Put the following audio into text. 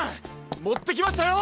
もってきましたよ！